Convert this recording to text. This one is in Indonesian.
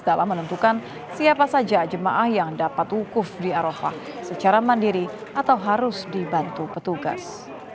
dalam menentukan siapa saja jemaah yang dapat wukuf di arofah secara mandiri atau harus dibantu petugas